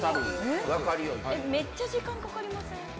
めっちゃ時間かかりません？